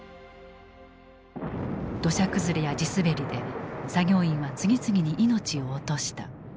土砂崩れや地滑りで作業員は次々に命を落とした。